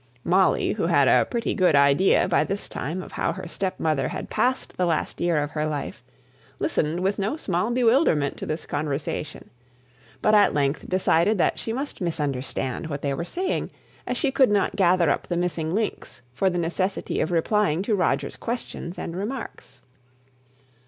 Molly, who had a pretty good idea by this time of how her stepmother had passed the last year of her life, listened with no small bewilderment to this conversation; but at length decided that she must misunderstand what they were saying, as she could not gather up the missing links for the necessity of replying to Roger's questions and remarks.